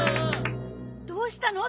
どうしたの？